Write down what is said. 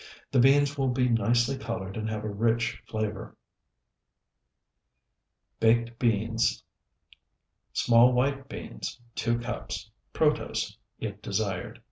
The beans will be nicely colored and have a rich flavor. BAKED BEANS Small white beans, 2 cups. Protose, if desired.